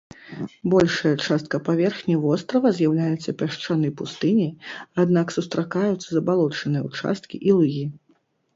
Большая частка паверхні вострава з'яўляецца пясчанай пустыняй, аднак сустракаюцца забалочаныя ўчасткі і лугі.